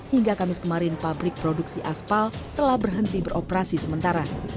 hingga kamis kemarin pabrik produksi aspal telah berhenti beroperasi sementara